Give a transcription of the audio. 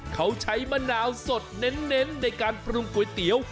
เขาใช้มะนาวสดเน้นในการปรุงก๋วยเตี๋ยว